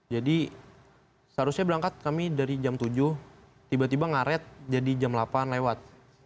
jadi seharusnya berangkat kami dari jam tujuh tiba tiba ngaret jadi jam delapan lewat